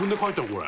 これ。